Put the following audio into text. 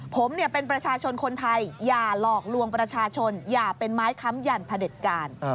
ผมเป็นประชาชนคนไทยอย่าหลอกลวงประชาชนอย่าเป็นไม้ค้ำยันพระเด็จการ